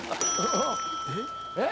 えっ？